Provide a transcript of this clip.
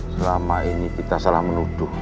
selama ini kita salah menuduh